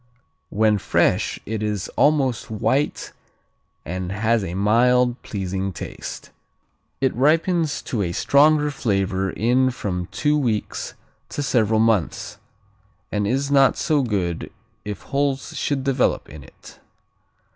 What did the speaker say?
When fresh it is almost white and has a mild, pleasing taste. It ripens to a stronger flavor in from two weeks to several months, and is not so good if holes should develop in it.